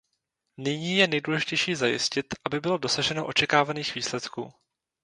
Nyní je nejdůležitější zajistit, aby bylo dosaženo očekávaných výsledků.